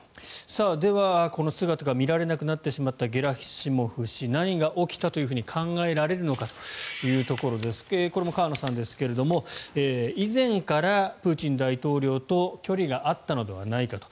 では姿が見られなくなってしまったゲラシモフ氏何が起きてしまったのかということでこれも河野さんですが以前からプーチン大統領と距離があったのではないかと。